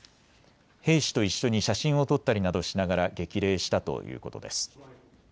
兵士と一緒に写真を撮ったりなどしながら激励したということです。